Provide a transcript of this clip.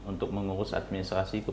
untuk mengurus administrasi desa